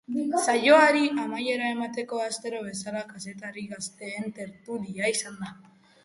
Saioari amaiera emateko, astero bezala, kazetari gazteen tertulia izan da.